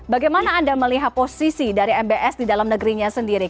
bagaimana anda melihat posisi dari mbs di dalam negerinya sendiri